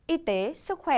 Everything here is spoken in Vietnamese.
y tế sức khỏe